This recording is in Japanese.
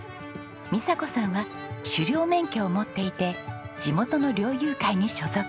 美佐子さんは狩猟免許を持っていて地元の猟友会に所属。